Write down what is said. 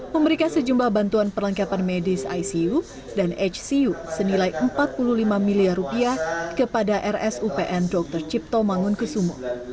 memberikan sejumlah bantuan perlengkapan medis icu dan hcu senilai empat puluh lima miliar rupiah kepada rsupn dr cipto mangunkusumo